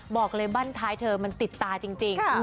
บอกเลยบ้านท้ายเธอมันติดตาจริง